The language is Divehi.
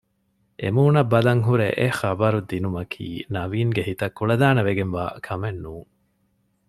އެމޫނަށް ބަލަން ހުރެ އެޙަބަރު ދިނުމަކީ ނަވީންގެ ހިތަށް ކުޅަދާނަވެގެން ވާ ކަމެއް ނޫން